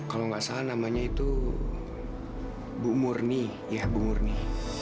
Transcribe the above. kalau nggak salah namanya itu bu murni ya bu murni